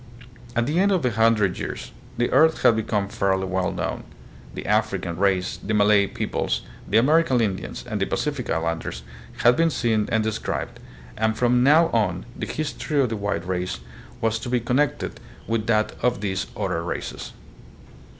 At the end of a hundred years the earth had become fairly well known, the African race, the Malay peoples, the American Indians, and the Pacific islanders had been seen and described, and from now on the history of the white race was to be connected T8E GREAT GEOGRAPHICAL DISCOVERIES. 87 with that of these other races.